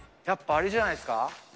やっぱ、あれじゃないですか。